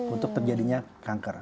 untuk terjadinya kanker